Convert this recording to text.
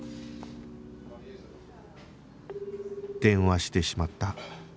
電話してしまった